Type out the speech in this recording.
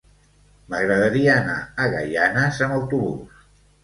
M'agradaria anar a Gaianes amb autobús.